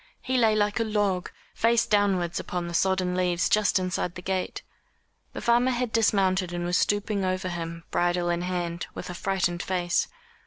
He lay like a log, face downwards upon the sodden leaves just inside the gate. The farmer had dismounted and was stooping over him, bridle in hand, with a frightened face.